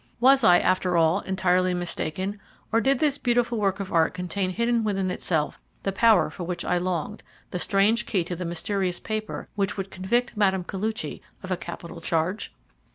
Was I, after all, entirely mistaken, or did this beautiful work of art contain hidden within itself the power for which I longed, the strange key to the mysterious paper which would convict Mme. Koluchy of a capital charge?